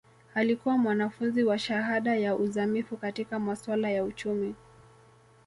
Alikuwa mwanafunzi wa shahada ya uzamivu katika masuala ya uchumi